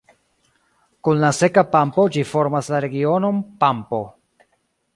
Kun la Seka Pampo ĝi formas la regionon Pampo.